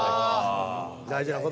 大事な事ね。